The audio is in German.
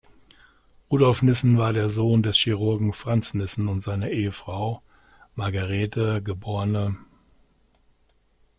Rudolf Nissen war der Sohn des Chirurgen "Franz Nissen" und seiner Ehefrau "Margarethe geb.